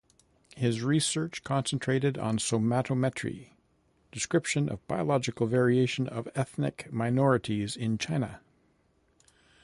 His research concentrated on somatometry, description of biological variation of ethnic minorities in China.